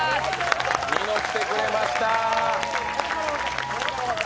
ニノ来てくれました。